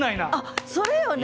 それよね！